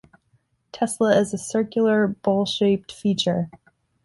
Tesla is a circular, bowl-shaped feature.